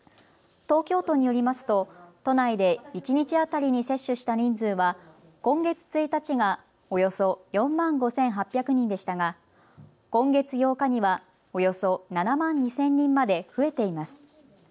東京都によりますと都内で一日当たりに接種した人数は今月１日がおよそ４万５８００人でしたが今月８日には、およそ７万２０００人まで増えています。